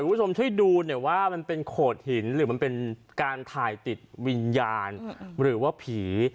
คุณผู้ชมช่วยดูหน่อยว่ามันเป็นโขดหินหรือมันเป็นการถ่ายติดวิญญาณหรือว่าผี